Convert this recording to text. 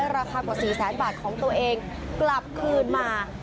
ราคากว่า๔แสนบาทของตัวเองกลับคืนมา